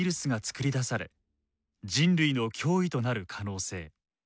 人類の脅威となる可能性。